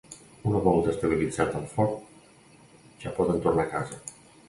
Una volta estabilitzat el foc, ja poden tornar a casa.